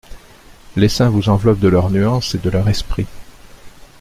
Les saints vous enveloppent de leur nuance et de leur esprit.